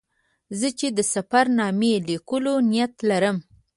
زه چې د سفر نامې لیکلو نیت لرم.